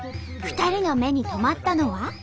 ２人の目に留まったのは。